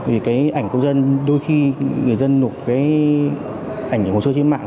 vì cái ảnh công dân đôi khi người dân nộp cái ảnh hồ sơ trên mạng